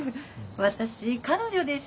私彼女です